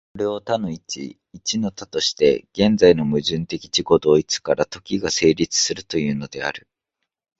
これを多の一、一の多として、現在の矛盾的自己同一から時が成立するというのである。